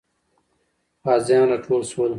غازیان راټول سول.